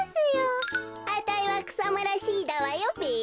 あたいはくさむらＣだわよべ。